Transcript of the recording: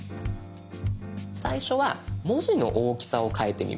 最初は文字の大きさを変えてみます。